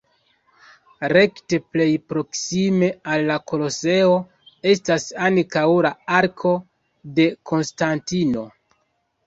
Rekte plej proksime al la Koloseo estas ankaŭ la Arko de Konstantino.